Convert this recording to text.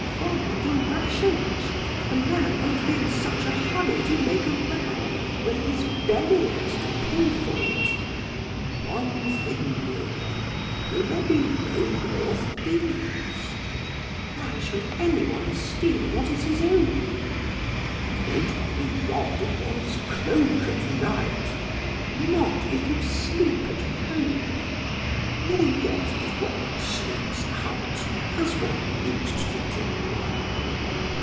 PRAX. From the rations! A man won't be in such a hurry to make a row when his belly has to pay for it. BLEPS. One thing more! Will there be no more thieves? PRAX. Why should any one steal what is his own? BLEPS. And won't one be robbed of one's cloak at night? PRAX. Not if you sleep at home! BLEPS. Nor yet, if one sleeps out, as one used to do?